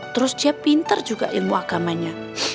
terus dia pinter juga ilmu agamanya